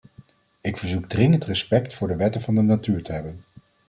Ik verzoek dringend respect voor de wetten van de natuur te hebben!